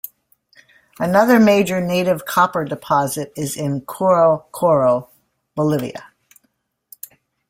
Another major native copper deposit is in Coro Coro, Bolivia.